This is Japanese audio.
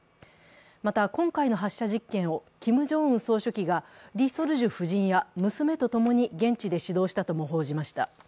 また、今回の発射実験をキム・ジョンウン総書記がリ・ソルジュ夫人や娘と共に現地で指導したとも伝えました。